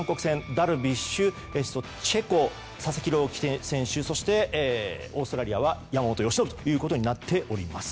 ダルビッシュチェコは佐々木朗希選手そしてオーストラリアは山本由伸となっております。